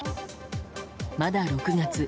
まだ６月。